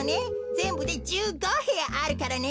ぜんぶで１５へやあるからね。